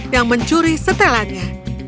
yang mencuri setelannya